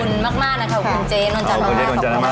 ขอบคุณมากนะคะขอบคุณเจ๊นวลจันธุ์ภากร้าน